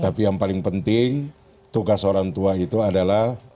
tapi yang paling penting tugas orang tua itu adalah